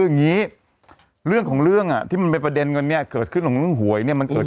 นี้หรือของเรื่องที่เป็นประเด็นกันเนี้ยเกิดขึ้นเรื่องหวยเนี้ยมันเกิด